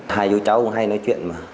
hai vô cháu cũng hay nói chuyện mà